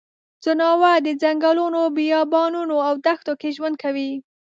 ځناور د ځنګلونو، بیابانونو او دښته کې ژوند کوي.